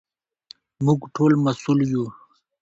موږ ټول مسوول یو.